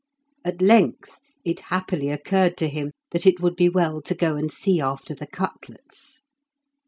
At length it happily occurred to him that it would be well to go and see after the cutlets.